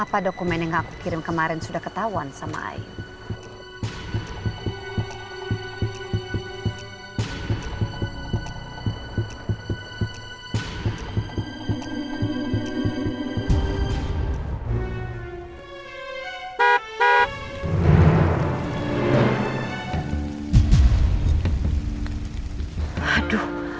apa dokumen yang aku kirim kemarin sudah ketahuan sama ayu